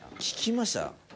聞きました？